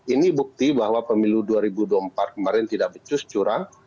ini bukti bahwa pemilu dua ribu dua puluh empat kemarin tidak becus curang